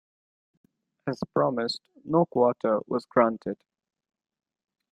As promised, no quarter was granted.